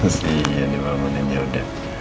kasian dibangunin ya udah